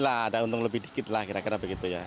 ada untung lebih sedikit